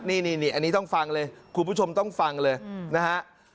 นี่อันนี้ต้องฟังเลยคุณผู้ชมต้องฟังเลยนะฮะ